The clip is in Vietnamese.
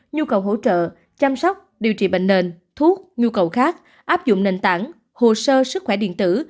nhu cầu hỗ trợ chăm sóc điều trị bệnh nền thuốc nhu cầu khác áp dụng nền tảng hồ sơ sức khỏe điện tử